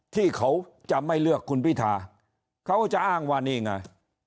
ที่เขาจะไม่เลือกคุณพิธาเขาจะอ้างว่านี่ไง